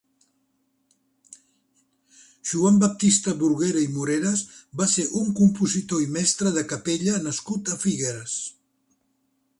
Joan Baptista Bruguera i Moreres va ser un compositor i mestre de capella nascut a Figueres.